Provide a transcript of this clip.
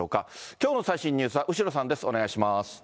きょうの最新ニュースは後呂さんです。